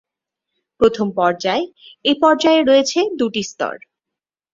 প্রথম পর্যায়: এ পর্যায়ে রয়েছে দু'টি স্তর।